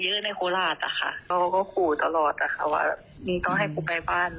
เยอะในโคลาสค่ะเราก็ขอตลอดค่ะว่าต้องให้กูไปบ้านไหม